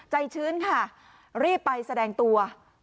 ชื้นค่ะรีบไปแสดงตัว